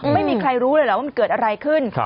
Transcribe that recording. ไม่มีใครรู้เลยเหรอว่ามันเกิดอะไรขึ้น